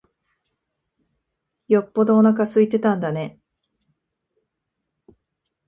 よっぽどおなか空いてたんだね。